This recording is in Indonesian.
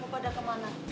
mau pada kemana